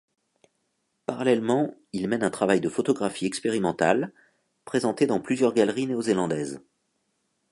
Parallèlement, il mène un travail de photographie expérimentale, présenté dans plusieurs galeries néo-zélandaises.